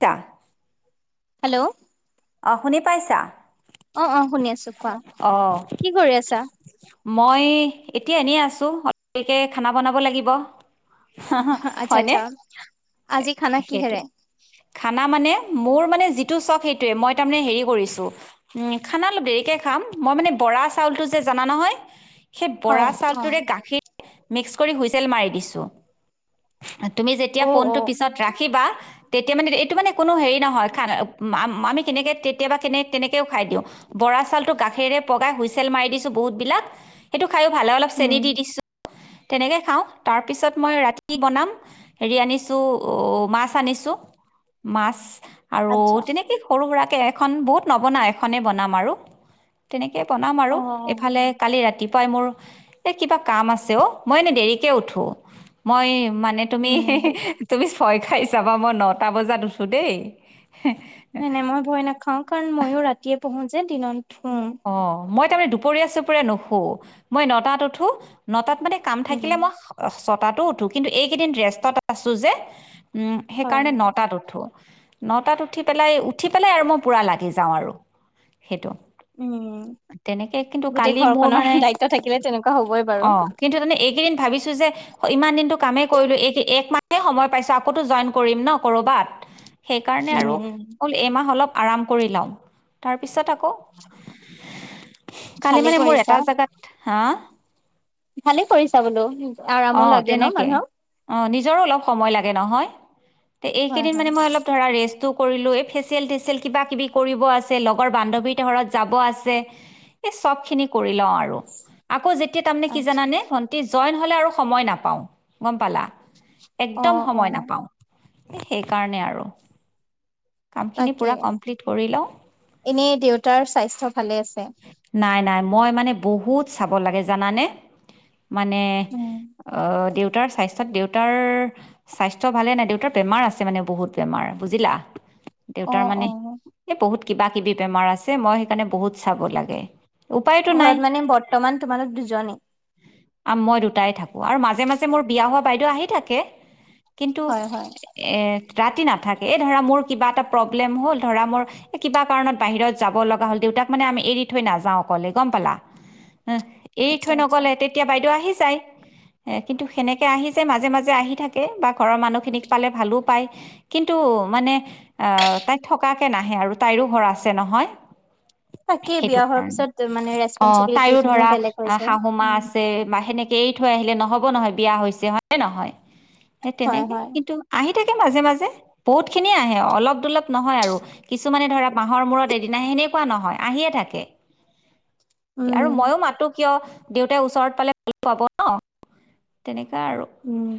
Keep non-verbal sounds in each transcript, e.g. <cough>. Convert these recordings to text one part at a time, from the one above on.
তা হেল্ল'? অ শুনি পাইছা? অ অ শুনি আছো কোৱা অ, কি কৰি আছা মই এত এতিয়া এনেই আছো, <unintelligible> খানা বনাব লাগিব। হ-হ আচ্ছা হয়নে? আচ্ছা আজি খানা কিহেৰে সেইটোৱে, খানা মানে মোৰ মানে যিটো চখ সেইটো সেইটো এ। মই তাৰমানে হেৰি কৰিছো উ খানা অলপ দেৰিকে খাম মই মানে বৰা চাউলটো যে জানা নহয়? সেই অ বৰা অ চাউলটোৰে গাখীৰ মিক্স কৰি হুইছেল মাৰি দিছোঁ। তুমি অ যেতিয়া ফোনটো পিছত ৰাখিবা তেত এ মানে এইটো মানে কোনো হেৰি নহয় <unintelligible> আমি কেনেকে কেতিয়াবা কেনে তেনেকে খাই দিওঁ। বৰা চাউলটো গাখীৰে পগাই হুইচেল মাৰি দিছো- বহুত বিলাক, সেইটো খায়ো ভালো লাগছে অলপ চেনি উম দি দিছো। তেনেকে খাওঁ। তাৰ পিছত মই ৰাতি বনাম হেৰি আনিছো মাছ আনিছো। মাছ আৰু তেনেকে সৰু শোৰাকে এখন বহুত নবনাও। এখনেই বনাম আৰু তেনেক তাকে বনাম আৰু অ এইফালে কালি ৰাতি মানে মোৰ এ কিবা কাম আছে অ, মই এনে দেৰিক উঠো মই মানে উম তুমি-তুমি ভয় খাই যাবা। মই নটা বজাত উছোঁ দেই। নাই-নাই। মই ভয় নাখাও। কাৰণ মইয়ো ৰাতিয়ে মোৰ যেন দিনন্ত অ, মই মানে দুপৰীয়া চুপৰীয়া নুশো। মই নটাত উঠো, নটাত মানে কাম থাকিলে উম মই ছতাতো উঠো কিন্তু এইকেইদিন ৰেষ্টত আছো যে। উম, হয় সেইকাৰণে হয় নটাত উঠো। নটাত উঠি পেলাই, উঠি পেলাই আৰু মই পূৰা লাগি যাওঁ আৰু সেইটো। উম তেনেকে কিন্তু গোটেই কালি মোৰ ঘৰখনৰ মানে দায়িত্ব থাকিলে তেনেকুৱা হবই বাৰু অ কিন্তু তমানে এইকেইদিন ভাবিছো যে ইমান দিনটো কামেই কৰিলো। এই এক মাহ সময় পাইছো আকৌ টো জইন কৰিম ন' কৰবাত। সেইকাৰণে উম আৰু উম হল এইমাহ অলপ আৰাম কৰি লওঁ, তাৰপিছত আকৌ উ কালি মানে মোৰ এটা জোগাত হা ভালে কৰিছা বোলো আৰামো অ', লাগে ন তেনেকে। মানুহক। অ', নিজৰো অলপ সময় লাগে নহয়। তে হয় এইকেইদিন হয় মানে মই অলপ ধৰা ৰেষ্ট ও কৰিলো এ ফেচিয়েল তেচিয়েল কিবা-কিবি কৰিব আছে, লগৰ বান্ধবীৰ ঘৰত যাব আছে, এ চব খিনি কৰি লওঁ আৰু। আকৌ যে তিয়া তাৰমানে কি আচ্ছা জানা নে? ভণ্টি জই <unintelligible> সময় নাপাওঁ গম পালা? অ একদম অ সময় নাপাওঁ। সেইকাৰণে আৰু। কামখিনি তাকে পুৰা কমপ্লিট কৰি লওঁ। এনে দেউতাৰ স্বাস্থ্য ভালে আছে নাই, নাই, মই মানে বহুত ক'ত চাব লাগে জানানে? মানে উম অ' দেউত দেউতাৰ স্বাস্থ্যত দেউতাৰ স্বাস্থ্য ভালে নাই, দেউতাৰ বেমাৰ আছে মানে বহুত বেমাৰ বুজিলা। অ দেউতাৰ মানে অ এই বহুত কিবা-কিবি বেমাৰ আছে মই কাৰণে বহুত চাব লাগে। উপায়তো নাই ঘৰত মানে বৰ্তমান তোমালোক দুজনেই। আম মই দুটাই থাকো আৰু মাজে-মাজে মোৰ বিয়া হোৱা বাইদেউ আহি থাকে। কিন্তু হয় হয়। এ ৰাতি ন থাকে এ ধৰা মোৰ কিবা এটা প্ৰব্লেম হল, ধৰা মোৰ এ কিবা কাৰণত বাহিৰত যাব লগা হল দেউতাক মানে আমি এৰি থৈ নাযাওঁ অকলে। গম পালা? উ এৰি আচ্ছা থৈ আচ্ছা নগলে তেতিয়া বাইদেউ আহি যাই, কিন্তু সেনেকে আহি যে মাজে-মাজে আহি থাকে বা ঘৰৰ মানুহখিনিক পালে ভালো পায়। কিন্তু মানে আহ তাই থকাকে নাহে আৰু তাইৰো ঘৰ আছে নহয়। তাকে সেইটো বিয়া হোৱাৰ কাৰণে পিছত মানে অ', ৰেচপনচিবিলিটি তাইও খিনিও ধৰা বেলেগ হৈছে। শাহুমা আছে বা সেনেকে এ থৈ আহিলে নহ হ'ব নহয় বিয়া হৈছে হয় নহয়? সেই হয় তেনেকে হয়। কিন্তু আহি থাকে মাজে-মাজে বহুত খিনিয়ে আহে, অলপ-দলপ নহয় আৰু কিছুমানে ধৰা মাহৰ মূৰত এদিন আহে সেনেকুৱা নহয়। আহিয়ে থাকে। উম। আৰু ময়ো মাতো কিয় দেউতাই ওচৰত পালে ভাল পাব ন তেনেক আৰু উম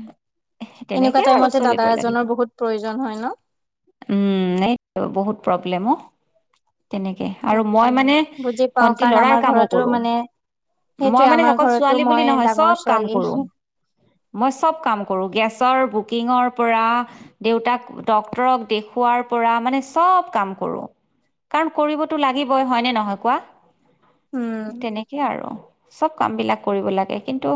এনেকুৱা তেনেকে আৰু টাইমতে দাদা চলিব লাগিব। এজনৰ বহুত প্ৰয়োজন হয় ন। উম, এইটো বহুত প্ৰৱলেমো তেনেকে আৰু তাকে মই মানে বুজি পাও ভণ্টি কাৰণ লৰাৰ আমাৰ কামো ঘৰতো কৰো। মানে মই সেইটোৱে মানে আমাৰ অকল ঘৰতো ছোৱালী বুলি মই নহয়, ডাঙৰ চব কাম ছোৱালী। কৰো মই চব কাম কৰো গেছ। গেছৰ বুকিংৰ পৰা দেউতাক ডক্টৰক দেখুওৱাৰ পৰা মানে চব কাম কৰোঁ। কাৰণ কৰিবতো তো লাগিব‌ই হয় নে নহয় কোৱা। উম। তেনেকে আৰু। চব কাম বিলাক কৰিব লাগে কিন্তু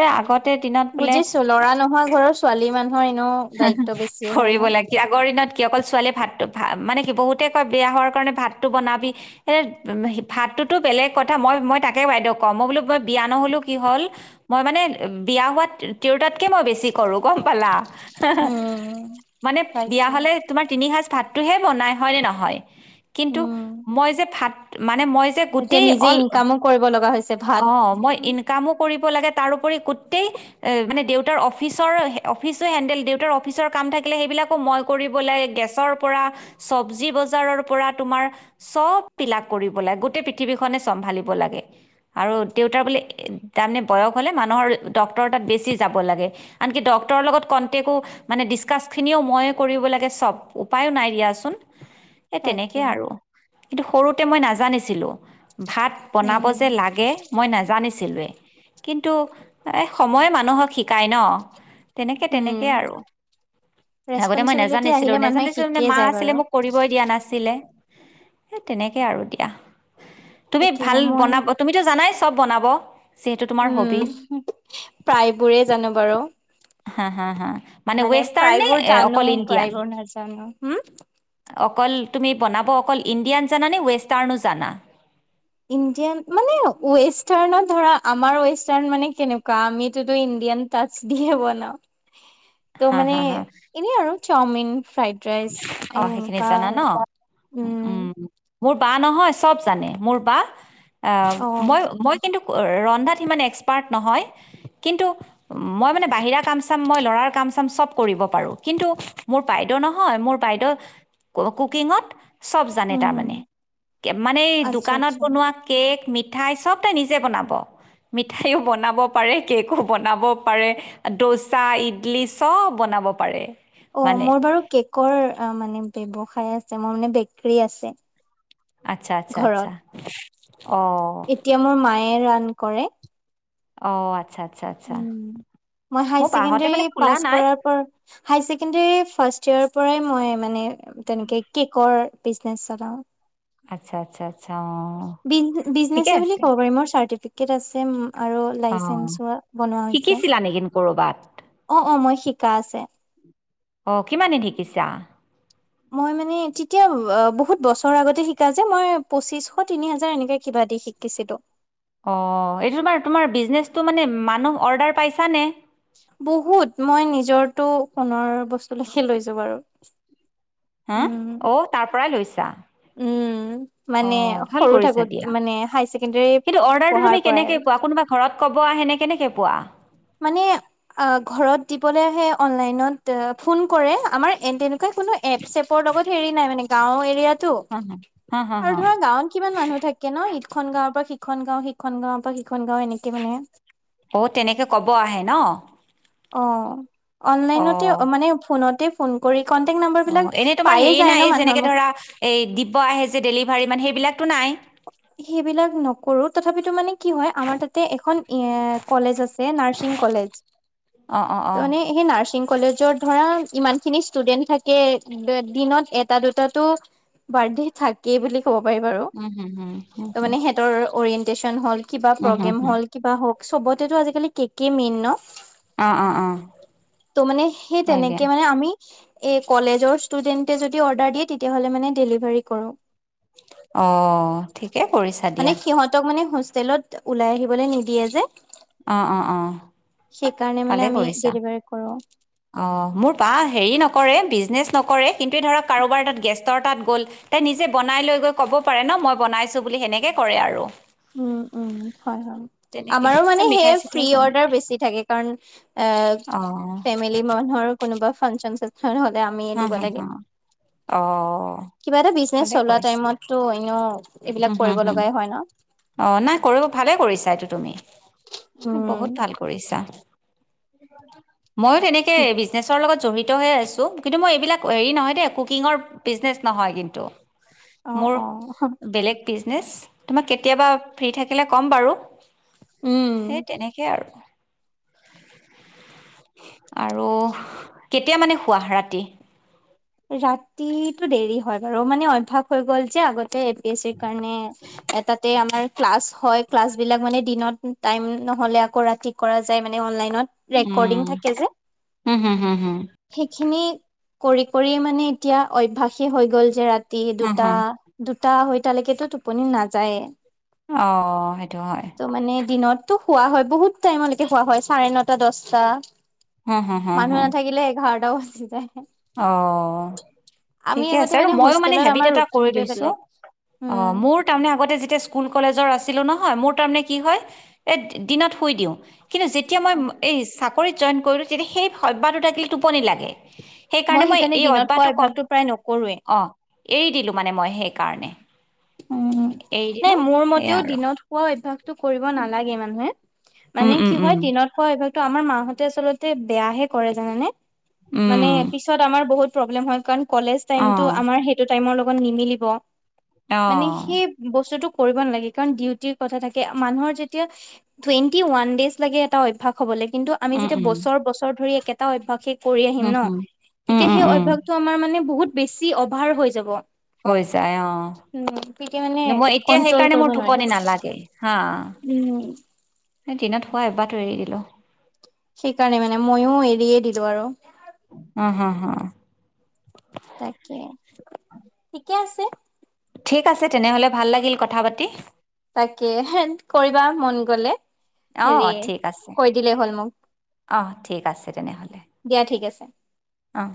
এ আগতে দিনত বোলে বুজিছো লৰা নোহোৱা ঘৰৰ ছোৱালী মানুহৰ এনেো দায়িত্ব বেছিয় হয় কৰিব ন। লাগে আগৰ দিনত কি অকল ছোৱালীয়ে ভাতটো ভা মানে কি বহুতেই কয় বিয়া হোৱাৰ কাৰণে ভাত। ভাতটো বনাবি এ উ ভাতটোতো বেলেগ কথা মই মই তাকে বাইদেউ কওঁ মই বোলো মই বিয়া নহলো কি হল মই মানে বিয়া হোৱাত তিৰোতাতকে মই বেছি কৰো গম পালা। হা হা উম মানে বিয়া পাইছো। হলে তোমাৰ তিনি সাজ ভাতটো হে বনাই। হয় নে নাহ। কিন্তু উম মই যে ভাত। মানে মই যে এতিয়া গোটেই নিজে অল ইনকামো কৰিব লগা হৈছে ভাত। অহ মই উম। ইনকামো কৰিব লাগে। তাৰোপৰি গোটেই অহ মানে দে দেউতাৰ অফিচৰ অফিচো হেণ্ডেল দেউতাৰ অফিচৰ কাম থাকিলে সেইবিলাকো মই কৰিব লাগে। গেছৰ পৰা চব্জি বজাৰৰ পৰা। তোমাৰ চব পিলাক কৰিব লাগে গোটেই পৃথিৱী খনে চম্ভালিব লাগে, আৰু দেউতাৰ বোলে তাৰমানে বয়স হলে মানুহৰ ডক্টৰ তাত বেছি যাব লাগে আনকি ডক্টৰ লগত কন্টেক্ মানে ডিচকাচ খিনিও মই কৰিব লাগে সব উপায়ো নাই দিয়াচোন। এ তেনেকে এ তাকে আৰু। কিন্তু সৰুতে মই নাজানিছিলোঁ। ভাত বনাব উম, যে লাগে মই নাজানিছিলোৱে। কিন্তু এ সময়ে মানুহক শিকায় ন। তেনেকে তেনেকেই উম, আৰু আগতে মই ৰেচপনচিবিলিটি নাজানিছিলোঁ আহিলে মানুহে নেজানিছিলোঁ মানে শিকিয়ে মা যায় আছিলে বাৰু। মোক কৰিবই দিয়া নাছিলে। সেই তেনেকে আৰু দিয়া। তুমি তাকে ভাল মই বনাব তুমিতো জানাইছ চব বনাব যিহেতু তোমাৰ উম হবি প্ৰায়বোৰে জানো বাৰু। হা, হা, হা। মানে ৱেষ্টাৰ্ণ নে প্ৰায়বোৰ জানো অকল ইণ্ডিয়ান প্ৰায়বোৰ নাজানো হম। অকল তুমি বনাব অকল ইণ্ডিয়ান জান নে ৱেষ্টাৰ্ণো জানা। ইণ্ডিয়ান মানে ৱেষ্টাৰ্ণত ধৰা। আমাৰ ৱেষ্টাৰ্ণ মানে কেনেকুৱা আমিটোতো ইণ্ডিয়ান টাচ দিয়ে বনাওঁ। ত' হা মানে হা হা এনেই আৰু। চাওমিন। ফ্ৰাইড ৰাইচ অ এ সেইখিনি এনেকুৱা জানা ন উম মোৰ বা নহয় চব জানে মোৰ বা অ মই মই কিন্তু ব ব হয় মোৰ বাইদেউ কুকিঙত চব জানে উম, তাৰমানে মানে এই আচ্ছা, দোকানত আচ্ছা। বনোৱা কেক মি মিঠাই চব তাই নিজে বনাব মিঠাইও বনাব পাৰে কেকো বনাব পাৰে দোচা ইডলি চব বনাব পাৰে অ মানে মোৰ বাৰু কেক কৰ মানে ব্যৱসায় আছে মোৰ মানে বেকী আছে আচ্ছা আচ্ছা ঘৰত। আচ্ছা অ এতিয়া মোৰ মায়ে ৰাধ কৰে অ আচ্ছা আচছা ড মানে খোলা পাছ নাই। কৰড ফাৰ্ষ পৰাই মই <unintelligible> মানে তেনেকে কেকৰ বিছনেছ চল <unintelligible> আচ্ছা আচছা বিজনেচ বুলি কব পাৰি ম চ কেৰছে <unintelligible> আৰু অ' লাইচেঞ্চ বনোৱা হৈছে শিকিছিলা নেকি ক'ৰবাত? অ অ মই শিকা আছে অ' কিমানদিন শিকিছা? মই মানে তেতিয়া বহুত বছৰৰ আগতে শিকা যে মই পঁচিশ তিনি হাজাৰ এনেকে কিবা দি শিকিছিলোঁ অ এইটো তোমাৰ তোমাৰ বিজনেচটো মানে মানুহ অৰ্ডাৰ পাইছানে বহুত মই নিজৰটো সোণৰ বস্তুলৈকে লৈছো বাৰু হা উম। অ তাৰ পৰাই লৈছা উম, অ মানে ভাল সৰু কৰিছা থাকোত দিয়া মানে হাই ছেকেণ্ডৰী কিন্তু অৰ্ডাৰটো পঢ়াৰ তুমি পৰাই কেনেকে আৰু পোৱা কোনোবা ঘৰত কব আহে নে কেনেকে পোৱা মানে অ ঘৰত দিবলে আহে মানে অনলাইনত ফুনকৰে আমাৰ <unintelligible> কোনো এপ চেপৰ লগত হেৰি নাই মানে গাঁও হা, এৰিয়াাত হা, হা, হা। আৰু ধৰা গাঁৱত কিমান মানুহ থাকে ন ঈদ খ গাঁৱৰ পৰা শ সখন গাঁও সিখন গাঁও বা সিখন গাঁও এনেকে মানে অ তেনেকে কব আহে ন অ অনলাইনতে অ' মানে ফোনতে ফোন কৰি কন্টেক্ট নাম্বাৰ বিলাক অ', এনেই তোমাৰ পায়ে হেৰি যায় ন নাই মানুহৰ যেনেকে মুখ ধৰা এই দিব আহে যে ডেলিভাৰী মানে সেইবিলাক তো নাই? সেইবিলাক নকৰো, তথাপিতো মানে কি হয় আমাৰ তাতে এখন, এ কলেজ আছে নাৰছিং কলেজ। অ', অ', অ'। ত মানে সেই নাৰছিং কলেজ যত ধৰা ইমান খিনি ষ্টুডেন্ট থাকে, দিনত এটা দুটাতো বাৰ্থডে থাকে বুলি ক'ব পাৰি বাৰু। উম হুম হুম হুম ত হুম মানে সিহঁতৰ অৰিয় টিউচন হ'ল? কিবা উম হুম প্ৰগ্ৰেম হুম হ'ল কিবা হওক। চবতেটো আজিকালি কেকেই মেইন ন? অ অ অ ত মানে সেই হয় দিয়া তেনেকে মানে আমি এ কলেজৰ ষ্টুডেণ্টয়ে যদি অৰ্ডাৰ কৰে তেতিয়া ডেলিভাৰী কৰোঁ। অঁ। অ', ঠিকে কৰিছা দিয়া। তেলত ওলাই আহিবলৈ নিদিয়ে যে। অ', অ', অ'। সেইকাৰণে মানে ভালে আমি কৰিছা। ডেলিভাৰী কৰো অ', মোৰ বা হেৰি নকৰে, বিজনে নকৰে কিন্তে ধৰক কাৰোবাৰ তাত গেষ্টৰ তাত গ'ল তাই নিজে বনাই লৈ গৈ ক'ব পাৰে ন মই বনাইছোঁ বুলি সেনেকৈ কৰে আৰু। উম, উম। হয়, হয়। তেনেকে আমাৰ এ মানে সে মিঠাই চিঠাই ফ্ৰী বনাই অৰ্ডাৰ বেছি থাকে কাৰণ এ অ ফেমিলি মানুহৰ কোনোবা ফাংচন চাংচন হলে আমি হা দিব হা লাগে। হা অ কিবা এটা বিজনেচ ভালে চলোৱা কৰিছা টাইমতটো এনেও এইবিলাক উম হুম কৰিব হুম লগাই হয় ন? অ', নাই কৰিব, ভালে কৰিছে। াইতো তুমি। বহুত ভাল কৰিছা। <unintelligible> মইো তেনেকে বিজনেছৰ লগত জৰিত হৈ আছো, কিন্তু মই এইবিলাক হ হেৰি নহয় দে কুকিঙৰ বিনে নহয় কিন্ত। অ' অ', অস বিজনেছ তোমাৰ কেয়া কেতিয়াবা ফ্ৰী থাকিলে ক'ম বাৰু। উম। সেই তেনেকে আৰু। আৰু কেতিয়া মানে শুৱা ৰাতি? ৰাতিতটো দেৰি হয় বাৰু, মানে অভ্যাস হৈ গ'ল যে আগতে এ পি এছিৰ কাৰণে এটাতে আমাৰ ক্লাছ হয়, ক্লাছ বিলাক মানে দিনত টাইম নহলে ৰাতি কৰা জাই অনলাইনত। ৰেকৰ্ডিং উম। থাকে যে হুম, হুম, হুম, হুম। সেইখিনি কৰি কৰি মানে এতিয়া অভ্যাসেই হৈ গ'ল যে ৰাত- হুম, দুটা হুম। দুটা হয় তালৈকেটো টোপনি নাযায়ে। অ সেইটো হয় তো হোৱা হয় বহুত টাইমলৈকে হোৱা হয় চাৰে নটা দছটা হুম, হুম, হুম, মানুহ হুম। নাথাকিলে এঘাৰ এ বছি যায় অ আমি ঠিকে আগতে আছে আৰু মইয়ো মানে হোষ্টেলত হেবিট আমাৰ এটা কৰি ৰুটিনটোৱে লৈছো। বেলেগ অ উম। মোৰ তাৰমানে আগতে যেতিয়া স্কুল কলেজৰ আছিলো নহয় মোৰ তাৰমানে কি হয় এ দিনত শুই দিওঁ। কিন্তু যেতিয়া মই এই চাক- জইন কৰিলোঁ তেতিয়া সেই সভ্যাটো থাকিলে টোপনি লাগে সেইকাৰণে মই এই দিনত শুৱা অভ্যাহটো কম অভ্যাসটো প্ৰায় নকৰোৱে অ এৰি দিলো মানে মই শেষ কাৰণে উম নাই মোৰ মতেও আৰু দিনত হোৱা অভ্যাস- টো কৰিব নালাগে মানুহে উম মানে উম কি উম হয় দিনত শুৱা অভ্যাস - ত আমাৰ মাহঁতে আচলতে বেয়াহে কৰে জানানে। মানে উম পিছত আমাৰ বহুত। প্ৰব্লেম হয় কাৰণ কলেজ টাইমটো অঁ আমাৰ সেইটো টাইমৰ লগত। নিমিলিব মানে অঁ সেই বস্তুটোক কৰিব নালাগে কাৰণ ডিউটিৰ কথা থাকে মানুহৰ যেতিয়া টুৱেন্টি ৱান দেইজ লাগে এটা অভ্যাস হ'বলৈ। কিন্তু আমি উম যেতিয়া উম বছৰ, বছৰ ধৰি এটা অভ্যাসিক কৰি আহিম হুম ন হুম উম তেতিয়া উম সেই উম অভ্যাসটো আমাৰ মানে বহুত বেছি অভাৰ হৈ যাব। ছাই অ উম গিকে মানে কন্ট্ৰল কৰিব টোপনি নালাগে হা নোৱাৰি উম দিনত হোৱা অভ্যাস টো এৰি দিলো টো আৰু অ', হ, হ। তাকে ঠিকে আছে। ঠিক আছে তেনেহ'লে, ভাল লাগিল কথা পাতি। তাকে কৰিবা মন গলে। হেৰি অ', ঠিক আছে, কৈ দিলেই হ'ল মোক অ', ঠিক আছে তেনেহ'লে দিয়া ঠিক আছে অহ,